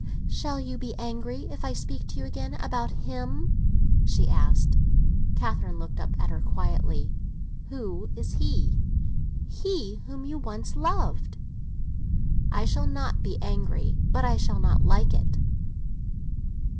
"Shall you be angry if I speak to you again about him?" she asked. Catherine looked up at her quietly. "Who is he?" "He whom you once loved." "I shall not be angry, but I shall not like it."